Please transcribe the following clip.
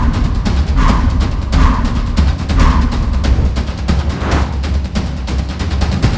อยากชอบพวกหน้าตะสิทธิ์